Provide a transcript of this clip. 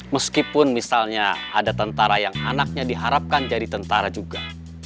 meskipun misalnya ada tentara yang anaknya diharapkan jadi tentara juga